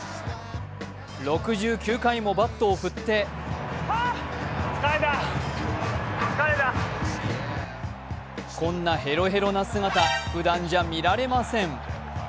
６９回もバットを振ってこんなヘロヘロな姿、ふだんじゃ見られません。